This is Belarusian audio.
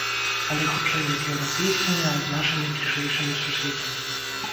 Але хутчэй не з еўрапейскімі, а з нашымі бліжэйшымі суседзямі.